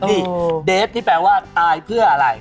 นี่เดฟนี่แปลว่าตายเพื่ออะไร